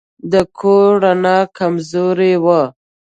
د کور رڼا کمزورې وه.